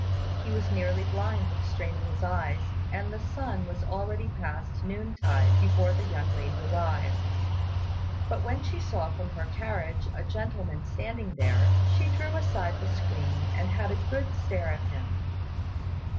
He was nearly blind with straining his eyes, and the sun was already past noontide before the young lady arrived; but when she saw from her carriage a gentleman standing there, she drew aside the screen and had a good stare at him.